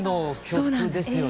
そうなんですよ。